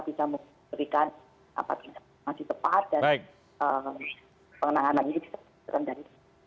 bisa memberikan informasi cepat dan pengenanganan ini bisa tetap terhadap